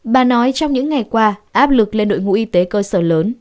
bà nói trong những ngày qua áp lực lên đội ngũ y tế cơ sở lớn